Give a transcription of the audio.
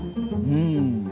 うん。